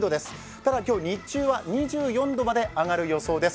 ただ、今日、日中は２４度まで上がる予想です。